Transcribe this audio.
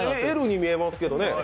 Ｌに見えますけどね。